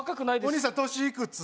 お兄さん年いくつ？